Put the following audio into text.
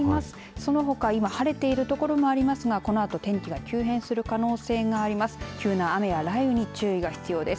そのほか、いま晴れている所もありますが、このあと天気が急変する可能性があります。